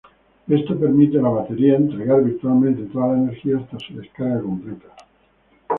Esto permite a la batería entregar virtualmente toda la energía hasta su descarga completa.